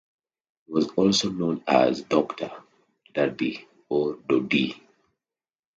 He was also known as "Doctor", "Duddie" or "Doodie".